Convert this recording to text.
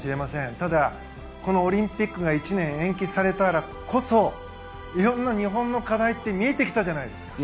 ただ、このオリンピックが１年延期されたからこそいろんな日本の課題って見えてきたじゃないですか。